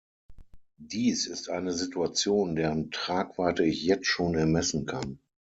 Dies ist eine Situation, deren Tragweite ich jetzt schon ermessen kann.